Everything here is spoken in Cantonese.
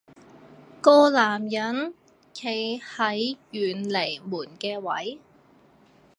個男人企喺遠離門嘅位